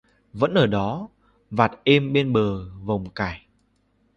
Vẫn ở đó, vạt êm bên vồng cải